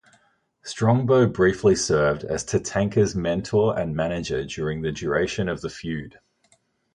Strongbow briefly served as Tatanka's mentor and manager during the duration of the feud.